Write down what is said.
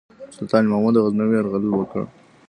سلطان محمود غزنوي یرغل وکړ.